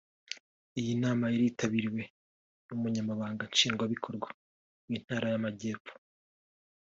Iyi nama yari yitabiriwe n’Umunyamabanga Nshingwabikorwa w’Intara y’Amajepfo